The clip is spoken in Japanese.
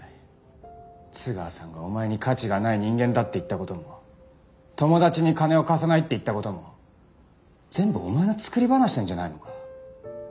津川さんがお前に「価値がない人間だ」って言った事も「友達に金を貸さない」って言った事も全部お前の作り話なんじゃないのか？